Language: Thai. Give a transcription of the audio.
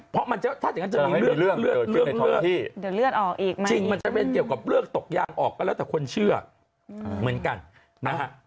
เพราะมันจะจะเป็นเรื่องมันจะเป็นทุกอย่างออกตัวแล้วแต่คนเชื่อเหมือนกันนะครับ